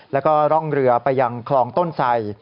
แล้วก็ร่องเรือไปยังคลองต้นไส